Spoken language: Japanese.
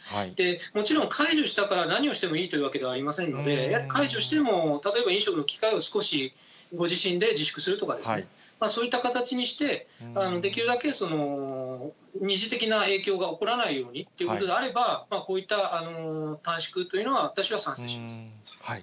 もちろん解除したから何をしてもいいというわけではありませんので、解除しても、例えば飲食の機会を少しご自身で自粛するとか、そういった形にして、できるだけ二次的な影響が起こらないようにということであれば、こういった短縮というのは、私は賛成します。